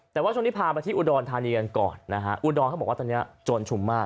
แต่ว่าช่วงนี้พามาที่อุดรธานีกันก่อนนะฮะอุดรเขาบอกว่าตอนนี้โจรชุมมาก